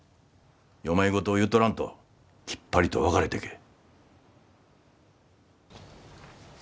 世まい言を言うとらんときっぱりと別れてけえ。